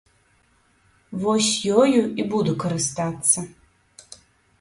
Вось ёю і буду карыстацца.